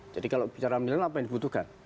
jadi kalau bicara milenial apa yang dibutuhkan